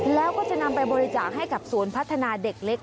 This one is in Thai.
แล้วก็จะนำไปบริจาคให้กับศูนย์พัฒนาเด็กเล็ก